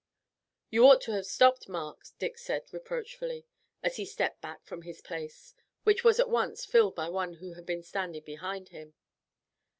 "You ought to have stopped, Mark," Dick said reproachfully, as he stepped back from his place, which was at once filled by one who had been standing behind him.